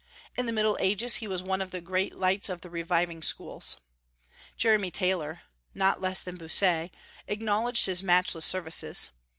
In the Middle Ages he was one of the great lights of the reviving schools. Jeremy Taylor, not less than Bossuet, acknowledged his matchless services.